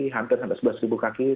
hampir sampai sebelas kaki